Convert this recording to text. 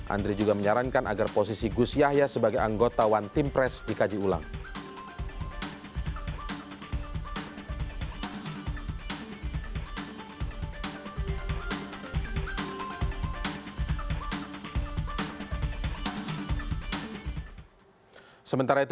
andri juga menyarankan agar posisi gus yahya sebagai anggota one team press dikaji ulang